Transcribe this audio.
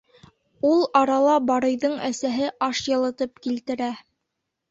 Ул арала Барыйҙың әсәһе аш йылытып килтерә.